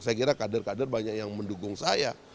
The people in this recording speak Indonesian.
saya kira kader kader banyak yang mendukung saya